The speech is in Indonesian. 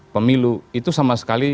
pemilu itu sama sekali